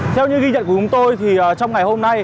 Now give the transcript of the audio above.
theo như ghi nhận của chúng tôi thì trong ngày hôm nay